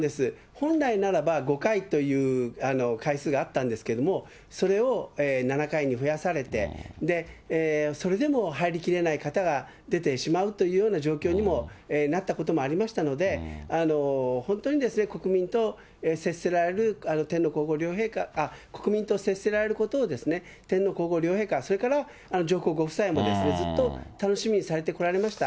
本来ならば５回という回数があったんですけれども、それを７回に増やされて、それでも入りきれない方が出てしまうというような状況にもなったこともありましたので、本当に国民と接せられる天皇皇后両陛下、国民と接せられることを天皇皇后両陛下、それから上皇ご夫妻も、ずっと楽しみにされてこられました。